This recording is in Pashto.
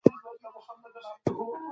د پانګونې تحلیل د ګټې تضمین دی.